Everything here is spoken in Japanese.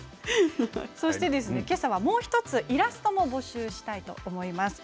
けさはもう１つイラストも募集したいと思います。